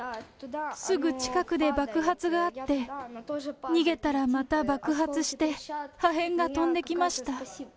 すぐ近くで爆発があって、逃げたらまた爆発して、破片が飛んできました。